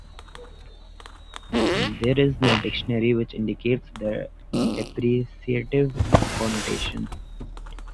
There is no dictionary which indicates this depreciative connotation.